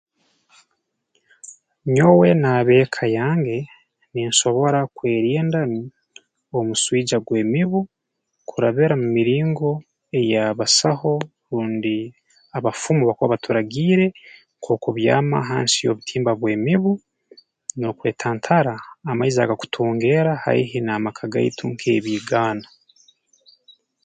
Nyowe n'ab'eka yange ninsobora kwerinda omuswija gw'emibu kurabira mu miringo ei abasaho rundi abafumu ei bakuba baturagiire nk'okubyama hansi y'obutimba bw'emibu n'okwetantara amaizi agakutungeera haihi n'amaka gaitu nk'ebiigaana